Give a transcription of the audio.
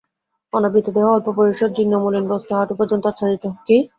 অনাবৃত দেহ, অল্পপরিসর জীর্ণ মলিন বস্ত্রে হাঁটু পর্যন্ত আচ্ছাদিত।